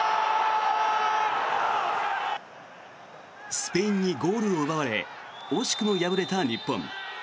スペインにゴールを奪われ惜しくも敗れた日本。